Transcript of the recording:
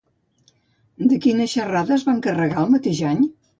De quina xerrada es va encarregar el mateix any?